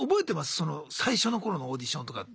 その最初の頃のオーディションとかって。